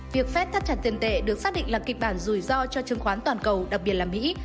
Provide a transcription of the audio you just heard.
việc phép thắt chặt tiền tệ được xác định là kịch bản rủi ro cho trương khoán toàn cầu đặc biệt là mỹ